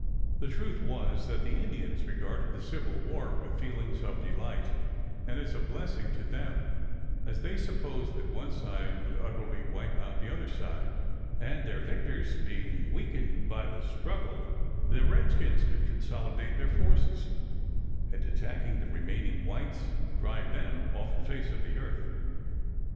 ] The truth was that the Indians regarded the Civil War with feelings of delight, and as a blessing to them, as they supposed that one side would utterly wipe out the other side, and their victors being weakened by the struggle the redskins could consolidate their forces, and attacking the remaining whites drive them off the face of the earth.